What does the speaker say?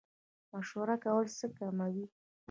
مشوره کول څه کموي؟